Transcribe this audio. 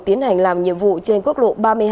tiến hành làm nhiệm vụ trên quốc lộ ba mươi hai